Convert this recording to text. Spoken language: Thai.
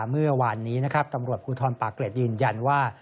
เมื่อวานนี้นะครับตำรวจภูทรปากเกร็ดยืนยันว่า